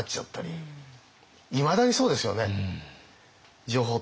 いまだにそうですよね。